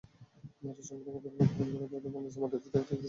যারা সংখ্যালঘুদের ওপর আক্রমণ করে, তাদের বাংলাদেশের মাটিতে থাকতে দিতে পারি না।